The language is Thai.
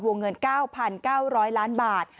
วงเงิน๙๙๐๐ล้านบาท